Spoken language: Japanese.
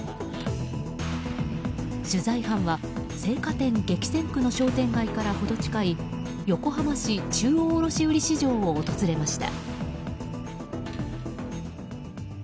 取材班は青果店激戦区の商店街から程近い横浜市中央卸売市場を訪れました。